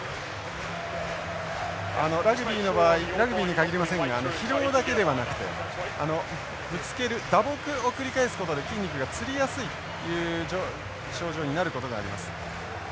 あのラグビーの場合ラグビーに限りませんが疲労だけではなくてぶつける打撲を繰り返すことで筋肉がつりやすいという症状になることがあります。